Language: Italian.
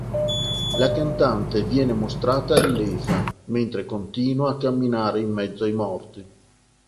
La cantante viene mostrata illesa, mentre continua a camminare in mezzo ai morti.